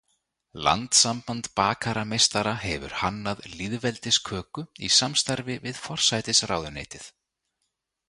Landssamband bakarameistara hefur hannað Lýðveldisköku í samstarfi við forsætisráðuneytið.